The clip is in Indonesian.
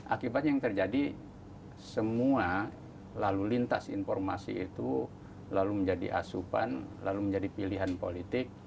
akibatnya yang terjadi semua lalu lintas informasi itu lalu menjadi asupan lalu menjadi pilihan politik